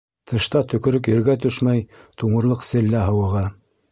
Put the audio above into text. Тышта төкөрөк ергә төшмәй туңырлыҡ селлә һыуығы.